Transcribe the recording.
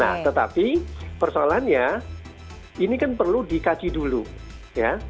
nah tetapi persoalannya ini kan perlu dikaji dulu ya